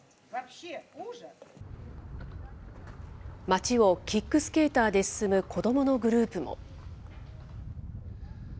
街をキックスケーターで進む子どものグループも。